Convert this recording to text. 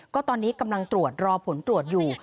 ก็ตอนนี้กำลังตรวจรอผลตรวจอยู่